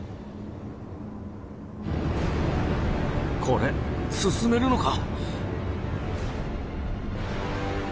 これ進めるのか？